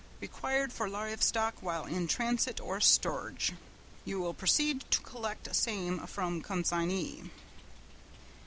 required for live stock while in transit or storage. You will proceed to collect same from consignee."